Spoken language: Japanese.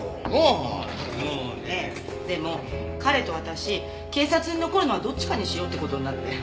でも彼と私警察に残るのはどっちかにしようって事になって。